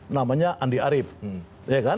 namanya andi arief